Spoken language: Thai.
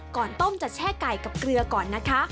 ก่อนต้มจะแช่ไก่กับเกลือก่อนนะคะ